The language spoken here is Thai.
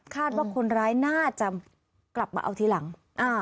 คาดว่าคนร้ายน่าจะกลับมาเอาทีหลัง